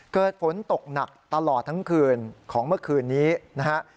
เกิดฝนตกหนักตลอดทั้งคืนของเมื่อคืนนี้นะฮะ